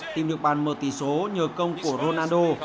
tìm được bàn mở tỷ số nhờ công của ronaldo